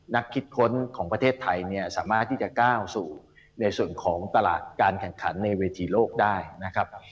นักคิดพ้นของประเทศไทยเนี่ยสามารถที่จะก้าวสู่ในส่วนของตลาดการแข่งขันในเวทีโลกได้นะครับ